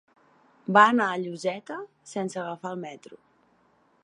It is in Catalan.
Va anar a Lloseta sense agafar el metro.